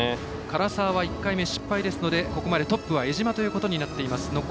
柄澤は１回目失敗ですのでここまでトップは江島ということになっています。